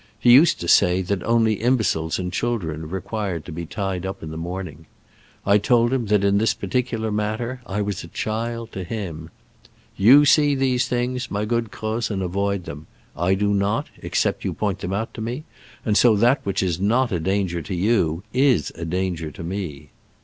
He used to say that only imbeciles and children required to be tied up in the morning. I told him that in this particular matter I was a child to him. "You see these things, my good Croz, and avoid them. I do not, except you point them out to me, and so that which is not a danger to you is a danger to me."